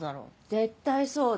絶対そうだ。